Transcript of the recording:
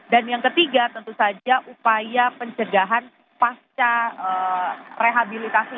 dan yang ketiga tentu saja upaya pencegahan pasca rehabilitasi ini